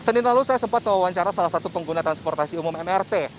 senin lalu saya sempat mewawancara salah satu pengguna transportasi umum mrt